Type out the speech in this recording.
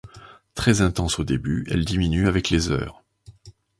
Très intense au début, elle diminue avec les heures.